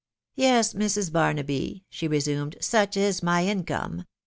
" Yes, Mrs. Barnaby," she resumed, " such is my income.